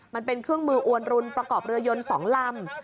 มันเป็นเครื่องมืออวนรุนประกอบเรือยน๒ลำ